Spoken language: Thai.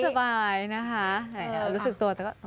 สบายนะคะรู้สึกตัวแต่ก็